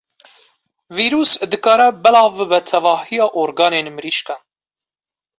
Vîrus dikare belav bibe tevahiya organên mirîşkan.